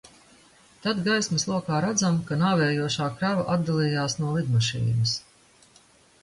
Tad gaismas lokā redzam, ka nāvējošā krava atdalījās no lidmašīnas.